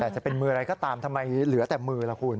แต่จะเป็นมืออะไรก็ตามทำไมเหลือแต่มือล่ะคุณ